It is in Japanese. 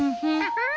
うん。